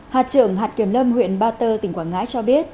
hạt trưởng hạt kiểm lâm huyện ba tơ tỉnh quảng ngãi cho biết